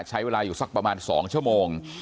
ใช้เวลาอยู่สักประมาณ๒ชั่วโมง